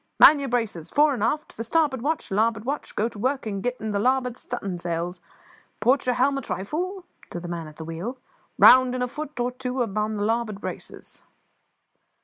Man your braces, fore and aft, the starboard watch; larboard watch, go to work and get in the larboard stu'n'sails. Port your helm a trifle," to the man at the wheel. "Round in a foot or two upon the larboard braces!"